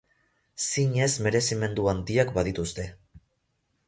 Zinez merezimendu handiak badituzte.